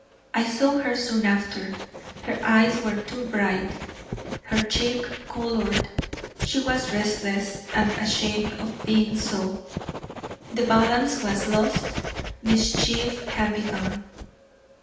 I saw her soon after; her eyes were too bright, her cheek colored; she was restless, and ashamed of being so; the balance was lost; mischief had begun.